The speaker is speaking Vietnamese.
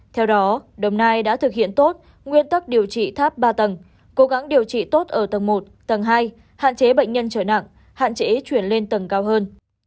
theo đó đồng nai đã thực hiện tốt nguyên tắc điều trị tháp ba tầng cố gắng điều trị tốt ở tầng một tầng hai hạn chế bệnh nhân trở nặng hạn chế chuyển lên tầng cao hơn